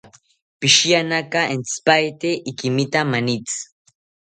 Psihiyanaka entzipaete ikimita manitzi